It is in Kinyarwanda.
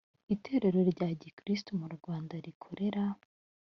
itorero rya gikirisito mu rwanda rikorera